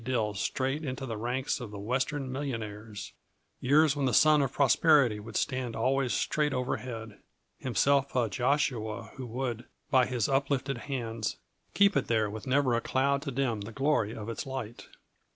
Dill straight into the ranks of the Western millionaires; years when the sun of prosperity would stand always straight overhead, himself a Joshua who would, by his uplifted hands, keep it there with never a cloud to dim the glory of its light.